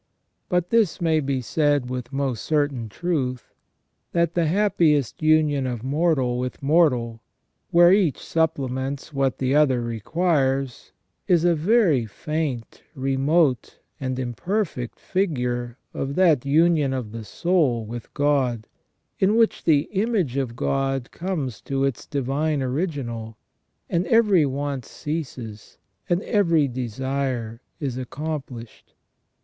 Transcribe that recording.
But this may be said with most certain truth, that the happiest union of mortal with mortal, where each supplements what the other requires, is a very faint, remote, and imperfect figure of that union of the soul with God, in which the image of God comes to its Divine Original, and every want ceases, and every desire is accomplished.